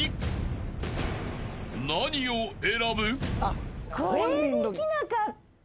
［何を選ぶ？］